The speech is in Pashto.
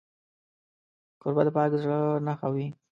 کوربه د پاک زړه نښه وي.